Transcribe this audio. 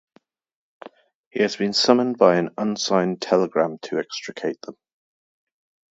He has been summoned by an unsigned telegram to extricate them.